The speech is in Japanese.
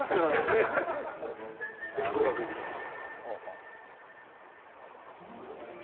はいご確認ください。